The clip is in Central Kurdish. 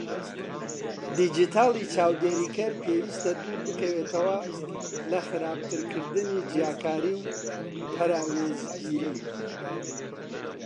دیجیتاڵی چاودێرکەر پێویستە دووربکەوێتەوە لە خراپترکردنی جیاکاری و پەراوێزگیری؛